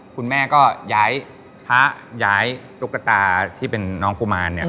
คุณแม่ก็ย้ายพระย้ายตุ๊กตาที่เป็นน้องกุมารเนี่ย